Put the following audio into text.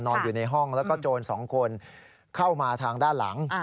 อยู่ในห้องแล้วก็โจรสองคนเข้ามาทางด้านหลัง